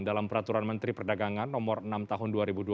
dalam peraturan menteri perdagangan nomor enam tahun dua ribu dua puluh